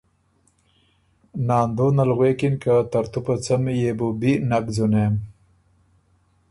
ناندونه ل غوېکِن که ترتُو په څمی يې بو بی نک ځُونېم،